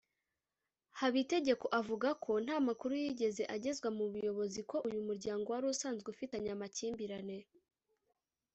Habitegeko avuga ko nta makuru yigeze agezwa mu buyobozi ko uyu muryango wari usanzwe ufitanye amakimbirane